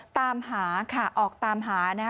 ตามหาค่ะออกตามหานะคะ